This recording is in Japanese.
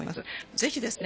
ぜひですね